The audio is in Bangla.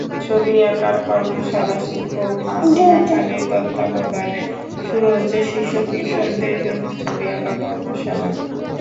ছবি আঁকার কর্মশালাশিল্পী মাসুমা খানের তত্ত্বাবধানে শুরু হচ্ছে শিশু-কিশোরদের জন্য ছবি আঁকা কর্মশালা।